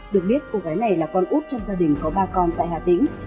được biết cô gái này là con út trong gia đình có ba con tại hà tĩnh